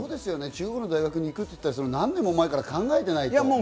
中国の大学に行くって何年も前から考えていないと。